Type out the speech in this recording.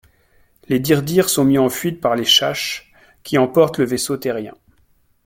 Les Dirdirs sont mis en fuite par les Chaschs qui emportent le vaisseau terrien.